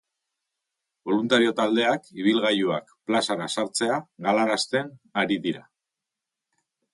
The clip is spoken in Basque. Boluntario-taldeak ibilgailuak plazara sartzea galarazten ari dira.